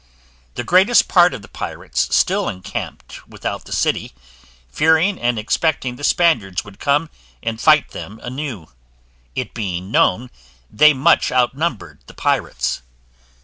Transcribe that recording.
The greatest part of the pirates still encamped without the city, fearing and expecting the Spaniards would come and fight them anew, it being known they much outnumbered the pirates.